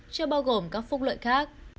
chưa bao gồm các phúc lợi khác